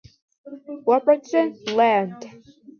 Robertson Land.